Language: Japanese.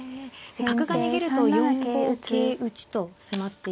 角が逃げると４五桂打と迫って。